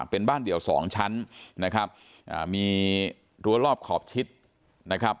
เป็นบ้านเดี่ยวสองชั้นนะครับมีรั้วรอบขอบชิดนะครับ